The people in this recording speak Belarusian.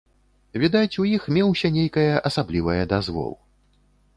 Відаць, у іх меўся нейкае асаблівае дазвол.